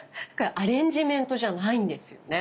アレンジメントじゃないんですよね。